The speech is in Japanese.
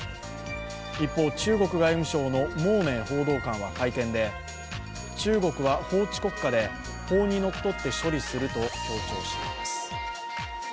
一方、中国外務省の毛寧報道官は会見で中国は法治国家で法に則って処理すると強調しています。